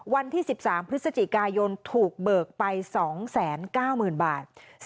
วันที่๑๓พฤศจิกายนถูกเบิกไป๒๙๐๐๐บาท